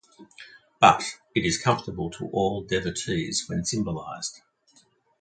But it is comfortable to all devotees when symbolized.